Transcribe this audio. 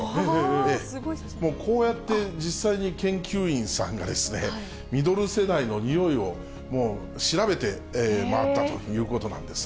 もう、こうやって実際に研究員さんがですね、ミドル世代のにおいをもう調べて回ったということなんですね。